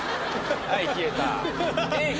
はい消えた。